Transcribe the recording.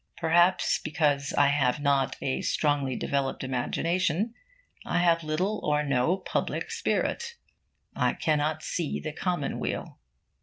Perhaps because I have not a strongly developed imagination, I have little or no public spirit. I cannot see the commonweal.